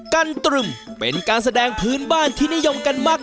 กันตรึมเป็นการแสดงพื้นบ้านที่นิยมกันมาก